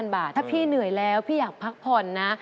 ถ้าพี่เหนื่อยแล้วพี่อยากพักผ่อนนะ